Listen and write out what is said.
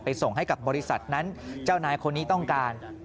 ส่งให้กับบริษัทนั้นเจ้านายคนนี้ต้องการ